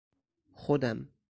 خودم